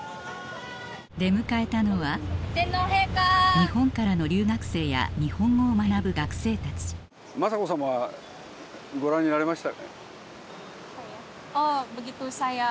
出迎えたのは日本からの留学生や日本語を学ぶ学生たち雅子さまはご覧になれました？